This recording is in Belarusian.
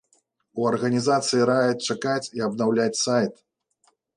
У арганізацыі раяць чакаць і абнаўляць сайт.